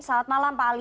selamat malam pak ali